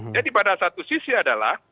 jadi pada satu sisi adalah